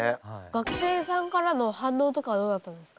学生さんからの反応とかはどうだったんですか？